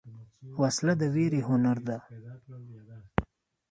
وسله د ویرې هنر ده